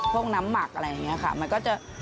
พวกน้ำหมักอะไรอย่างนี้ค่ะ